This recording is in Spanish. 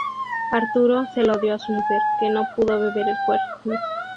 Arturo se lo dio a su mujer, que no pudo beber del cuerno.